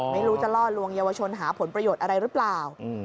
ไม่รู้จะล่อลวงเยาวชนหาผลประโยชน์อะไรหรือเปล่า